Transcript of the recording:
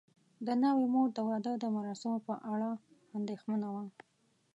د ناوې مور د واده د مراسمو په اړه اندېښمنه وه.